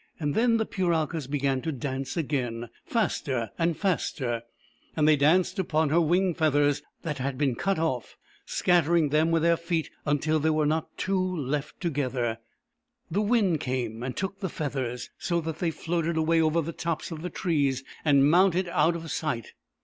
Then the Puralkas began to dance again, faster and faster ; and they danced upon her wing feathers that had been cut off, scat tering them with their feet until there were not two left together, and the wind came and took the feathers, so that they floated away over the tops of the trees and mounted out of sight.